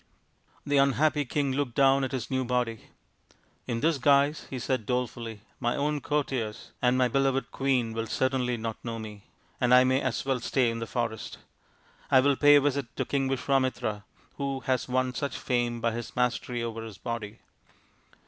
The unhappy king looked down at his new body. " In this guise/' he said dolefully, " my own courtiers and my beloved queen will certainly not know me, and I may as well stay in the forest. I will pay a visit to King Visvamitra, who has won such fame by his mastery over his body."